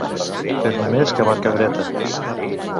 Fer-ne més que barca dreta.